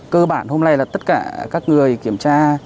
cơ bản hôm nay là tất cả các người kiểm tra